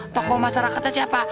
tokoh masyarakatnya siapa